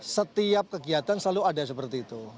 setiap kegiatan selalu ada seperti itu